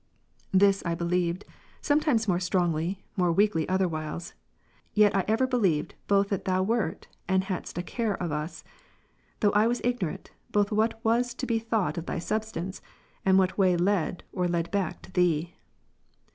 8. This I believed, sometimes more strongly, more weakly other wdiiles; yet I ever believed both that Thou wert, and hadst a care of us ; though I was ignorant, both what was to be thought of Thy substance, and what way led or led back to Thee.